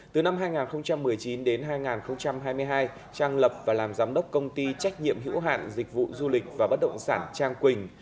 từ năm hai nghìn một mươi chín đến hai nghìn hai mươi hai trang lập và làm giám đốc công ty trách nhiệm hữu hạn dịch vụ du lịch và bất động sản trang quỳnh